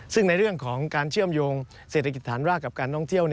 ซึ่งในเรื่องของการเชื่อมโยงเศรษฐกิจฐานรากกับการท่องเที่ยว